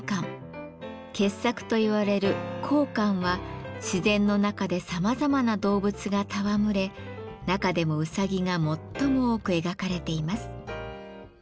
傑作といわれる甲巻は自然の中でさまざまな動物が戯れ中でもうさぎが最も多く描かれています。